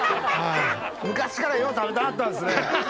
昔からよう食べてはったんですね。